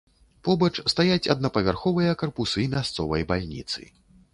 Побач стаяць аднапавярховыя карпусы мясцовай бальніцы.